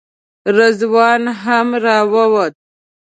رضوان هم راووت.